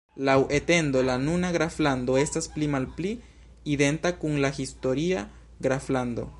Laŭ etendo la nuna graflando estas pli malpli identa kun la historia graflando.